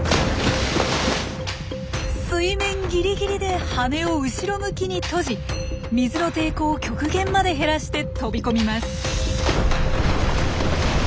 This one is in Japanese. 水面ギリギリで羽を後ろ向きに閉じ水の抵抗を極限まで減らして飛び込みます。